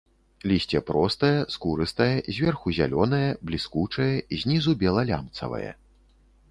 Лісце простае, скурыстае, зверху зялёнае, бліскучае, знізу бела-лямцавае.